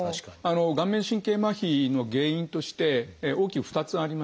顔面神経麻痺の原因として大きく２つありまして。